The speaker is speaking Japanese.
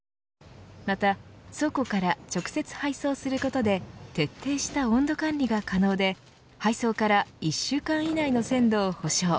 また倉庫から直接配送することで徹底した温度管理が可能で配送から１週間以内の鮮度を保証。